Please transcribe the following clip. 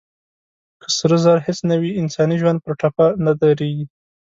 که سره زر هېڅ نه وي، انساني ژوند پر ټپه نه درېږي.